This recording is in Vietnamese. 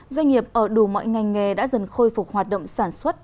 doanh nghiệp ở đủ mọi ngành nghề đã dần khôi phục hoạt động sản xuất